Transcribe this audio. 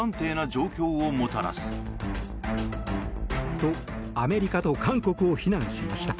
と、アメリカと韓国を非難しました。